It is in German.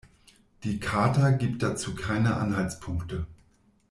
Die Charta gibt dazu keine Anhaltspunkte.